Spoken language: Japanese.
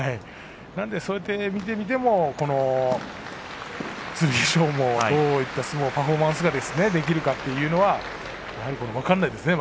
なので、そう見てみても剣翔もどういった相撲パフォーマンスできるかというのは分からないですね